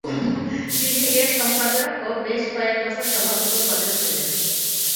তিনি এর সম্পাদক ও বেশ কয়েক বছর সভাপতি পদেও ছিলেন।